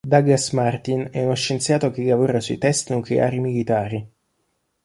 Douglas Martin è uno scienziato che lavora sui test nucleari militari.